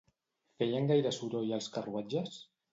Feien gaire soroll els carruatges?